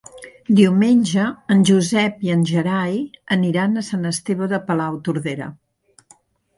Diumenge en Josep i en Gerai aniran a Sant Esteve de Palautordera.